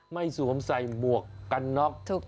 สวมใส่หมวกกันน็อก